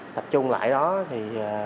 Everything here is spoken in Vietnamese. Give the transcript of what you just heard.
tập trung lại đó thì